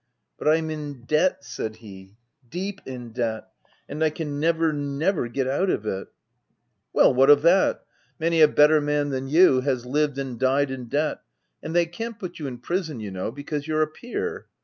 "' But Pm in debt/ said he —< deep in debt ! And I can never, never get out of it!' OF WILDFELL HALL. 37 "' Well, what of that? many a better man than you, has lived and died in debt, and they can't put you in prison, you know, because you're a peer.'